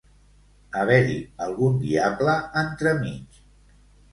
Haver-hi algun diable entremig.